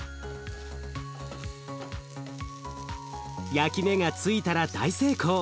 焼き目がついたら大成功。